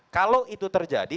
kalau itu terjadi